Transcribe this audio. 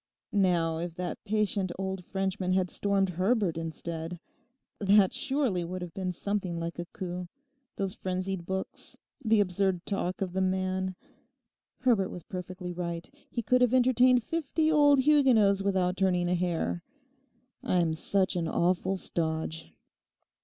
Now if the patient old Frenchman had stormed Herbert instead—that surely would have been something like a coup! Those frenzied books. The absurd talk of the man. Herbert was perfectly right—he could have entertained fifty old Huguenots without turning a hair. 'I'm such an awful stodge.